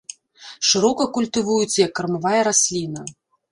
Шырока культывуецца як кармавая расліна.